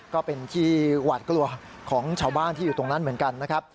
ก็เป็นที่หวาดกลัวของชาวบ้านที่อยู่ตรงนั้นเหมือนกันนะครับ